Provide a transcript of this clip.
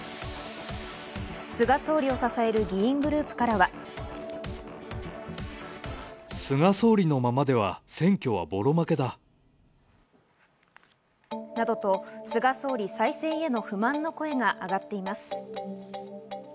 菅総理を支える議員グループからは。などと菅総理、再選への不満の声が上がっています。